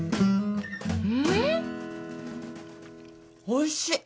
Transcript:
おいしい！